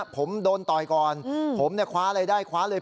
ผมโดนต่อยก่อนผมเนี่ยคว้าเลยได้คว้าเลย